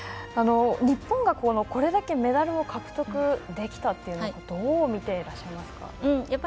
日本がこれだけメダルを獲得できたっていうことどう見ていらっしゃいますか。